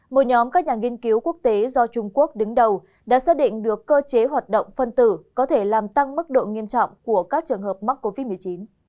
một nhóm các nhà nghiên cứu quốc tế do trung quốc đứng đầu đã xác định được cơ chế hoạt động phân tử có thể làm tăng mức độ nghiêm trọng của các trường hợp mắc covid một mươi chín